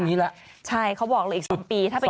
ตรงนี้แหละใช่เขาบอกอีก๒ปีถ้าเป็น